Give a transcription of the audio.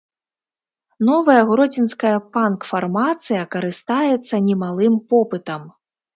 Новая гродзенская панк-фармацыя карыстаецца немалым попытам.